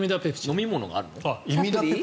飲み物があるの？